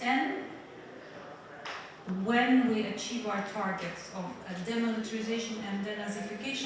dengan maksud diklamat